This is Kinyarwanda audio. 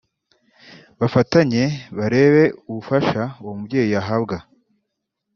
bafatanye barebe ubufasha uwo mubyeyi yahabwa